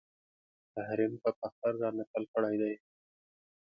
تحریم په فخر رانقل کړی دی